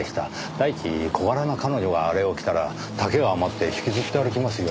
第一小柄な彼女があれを着たら丈が余って引きずって歩きますよ。